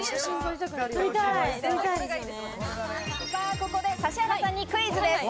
ここで指原さんにクイズです。